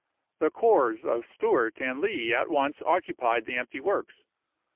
The corps of Stewart and Lee at once occupied the empty works.